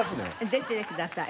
出てください。